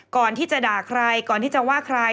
ก่อนที่จะด่าใครก่อนที่จะว่าใคร